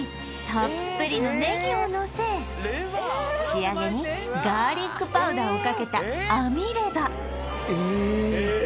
たっぷりのネギをのせ仕上げにガーリックパウダーをかけたアミレバ